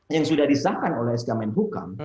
yang sudah disahkan oleh sk menbo kam